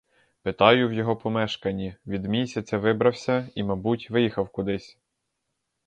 Питаю в його помешканні: від місяця вибрався і, мабуть, виїхав кудись.